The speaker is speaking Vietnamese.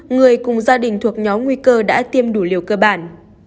người cùng gia đình thuộc nhóm nguy cơ đã tiêm đủ liều cơ bản